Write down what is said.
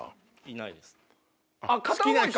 いないです。